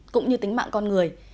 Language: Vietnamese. cũng như tính mạng con người